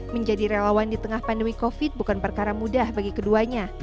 menjadi relawan di tengah pandemi covid bukan perkara mudah bagi keduanya